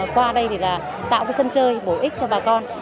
qua đây thì là tạo cái sân chơi bổ ích cho bà con